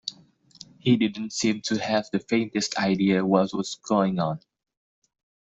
He didn't seem to have the faintest idea what was going on.